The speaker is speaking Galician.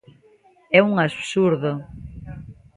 É un absurdo.